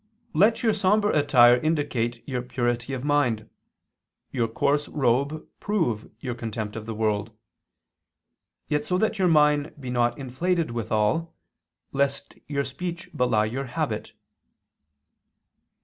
"Let your somber attire indicate your purity of mind, your coarse robe prove your contempt of the world, yet so that your mind be not inflated withal, lest your speech belie your habit."